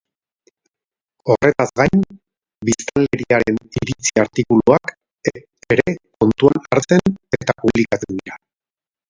Horretaz gain, biztanleriaren iritzi-artikuluak ere kontuan hartzen eta publikatzen dira.